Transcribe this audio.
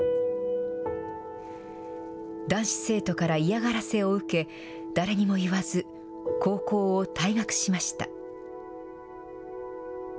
男子生徒から嫌がらせを受け、誰にも言わず、高校を退学しました。